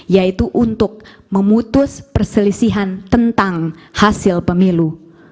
yaitu untuk memutus perselisihan tentang hasil pemilu